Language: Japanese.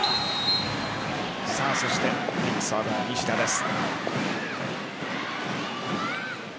そしてビッグサーバー・西田です。